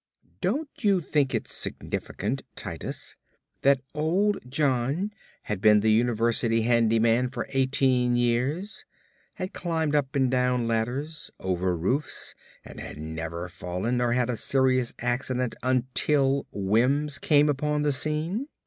"Don't you think it significant, Titus, that Old John had been the university handyman for eighteen years, had climbed up and down ladders, over roofs, and had never fallen or had a serious accident until Wims came upon the scene?